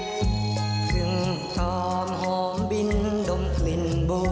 กึ่งทอมหอมบินดมกลิ่นบู